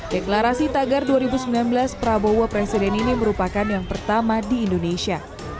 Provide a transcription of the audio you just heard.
deklarasi tagar dua ribu sembilan belas prabowo presiden ini merupakan yang pertama di indonesia